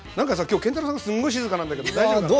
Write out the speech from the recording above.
今日建太郎さんがすんごい静かなんだけど大丈夫かな？